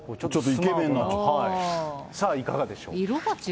さあ、いかがでしょう。